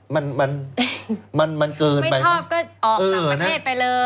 ก็ออกจากประเทศไปเลย